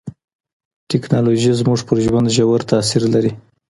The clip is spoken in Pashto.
ټکنالوژي زموږ پر ژوند ژور تاثیر لري.